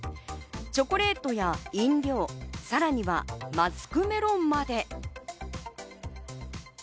チョコレートや飲料、さらにはマスクメロンまで。